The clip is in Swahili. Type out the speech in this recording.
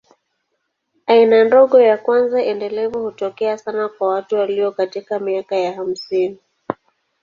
Aina ndogo ya kwanza endelevu hutokea sana kwa watu walio katika miaka ya hamsini.